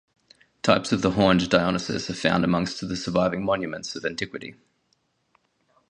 Types of the horned Dionysus are found amongst the surviving monuments of antiquity.